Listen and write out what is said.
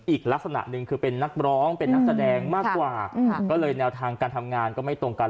อีกลักษณะหนึ่งคือเป็นนักร้องเป็นนักแสดงมากกว่าก็เลยแนวทางการทำงานก็ไม่ตรงกัน